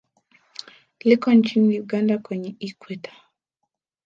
Liko nchini Uganda kwenye Ikweta.